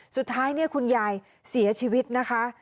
สุดท้ายเนี่ยคุณยายเสียชีวิตนะคะ